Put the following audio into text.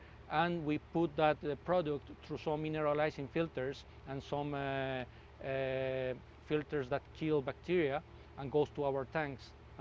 dan kita menempatkan produk itu melalui beberapa filter mineralisasi dan beberapa filter yang membunuh bakteri dan berlalu ke dalam tank kita